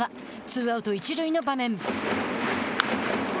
ツーアウト、一塁の場面。